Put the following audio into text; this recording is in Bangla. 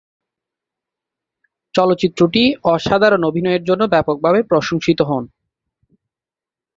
চলচ্চিত্রটি অসাধারণ অভিনয়ের জন্য ব্যাপকভাবে প্রশংসিত হন।